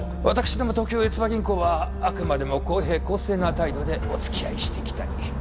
つば銀行はあくまでも公平公正な態度でお付き合いしていきたい。